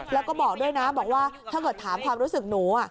แล้วก็บอกด้วยนะบอกว่าถ้าเกิดถามความรู้สึกหนู